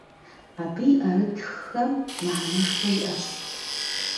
Абы и ӏэрытххэм мыхьэнэшхуэ иӏэщ.